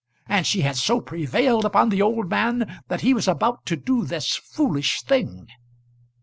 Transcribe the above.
And she had so prevailed upon the old man that he was about to do this foolish thing!